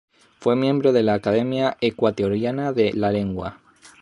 Fue miembro de la Academia Ecuatoriana de la Lengua.